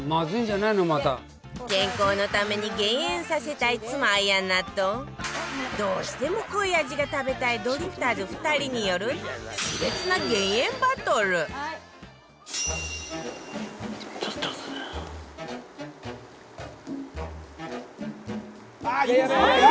健康のために減塩させたい妻綾菜とどうしても濃い味が食べたいドリフターズ２人による熾烈な減塩バトルあっ入れすぎ！